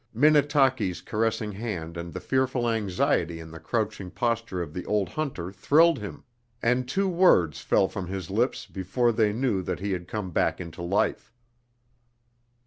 Minnetaki's caressing hand and the fearful anxiety in the crouching posture of the old hunter thrilled him, and two words fell from his lips before they knew that he had come back into life.